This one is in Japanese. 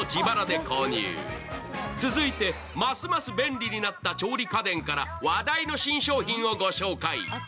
続いて、ますます便利になった調理家電から話題の新商品をご紹介。